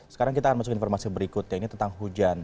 sekarang kita akan masukin informasi berikutnya ini tentang hujan